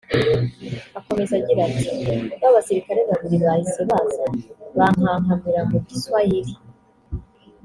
Akomeza agira ati “Ba basirikare babiri bahise baza bankankamira mu giswahili